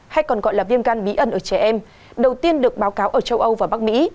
hay còn gọi là viêm gan bí ẩn ở trẻ em đầu tiên được báo cáo ở châu âu và bắc mỹ